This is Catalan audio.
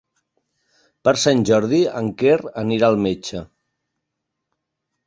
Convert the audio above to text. Per Sant Jordi en Quer anirà al metge.